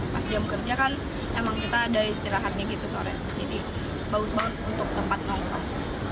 pas jam kerja kan emang kita ada istirahatnya gitu sore jadi bagus banget untuk tempat nongkrong